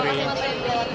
terima kasih pak